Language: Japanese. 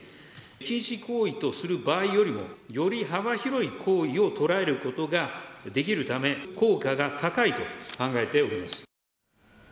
禁止行為とする場合よりも、より幅広い行為を捉えることができるため、効果が高いと考えております。